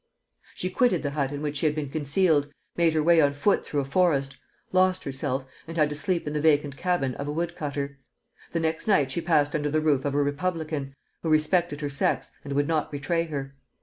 She quitted the hut in which she had been concealed, made her way on foot through a forest, lost herself, and had to sleep in the vacant cabin of a woodcutter. The next night she passed under the roof of a republican, who respected her sex and would not betray her.